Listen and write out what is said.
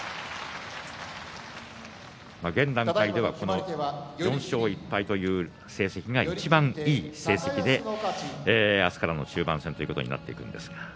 現段階では４勝１敗という成績がいちばんいい成績で明日からの中盤戦ということになります。